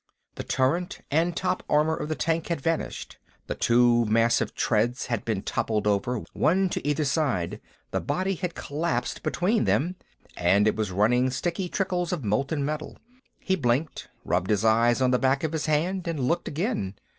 The turret and top armor of the tank had vanished. The two massive treads had been toppled over, one to either side. The body had collapsed between them, and it was running sticky trickles of molten metal. He blinked, rubbed his eyes on the back of his hand, and looked again.